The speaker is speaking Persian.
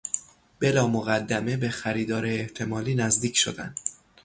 بلامقدمه به خریدار احتمالی نزدیک شدن